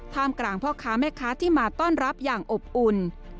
กลางพ่อค้าแม่ค้าที่มาต้อนรับอย่างอบอุ่น